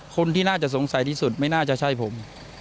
คนที่น่าจะสงสัยที่สุดไม่น่าจะใช่ผม